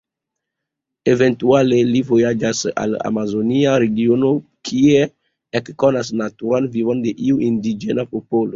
Eventuale li vojaĝas al amazonia regiono kie ekkonas naturan vivon de iu indiĝena popolo.